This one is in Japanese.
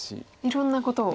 いろんなことを。